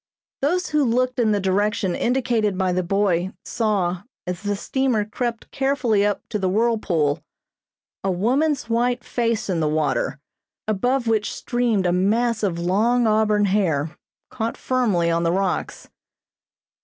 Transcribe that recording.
Those who looked in the direction indicated by the boy saw, as the steamer crept carefully up to the whirlpool, a woman's white face in the water, above which streamed a mass of long auburn hair, caught firmly on the rocks.